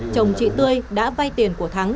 chồng chị tươi đã vay tiền của thắng